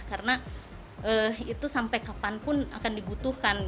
karena itu sampai kapanpun akan dibutuhkan